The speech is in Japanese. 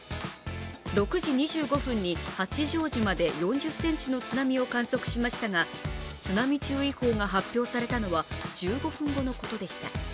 ６時２５分に八丈島で４０ｃｍの津波を観測しましたが、津波注意報が発表されたのは１５分後のことでした。